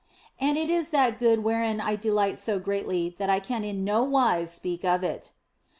And it is that Good wherein I delight so greatly that I can in no wise speak of it.